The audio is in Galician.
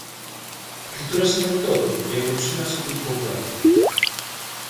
Tritúrase ben todo e emulsiónase cun pouco de aceite.